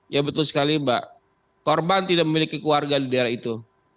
ya betul sekali mbak korban tidak memiliki keluarga di daerah itu